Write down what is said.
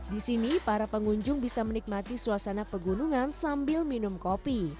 di sini para pengunjung bisa menikmati suasana pegunungan sambil minum kopi